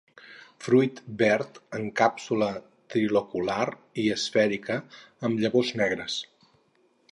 Fruit verd en càpsula trilocular i esfèrica, amb llavors negres.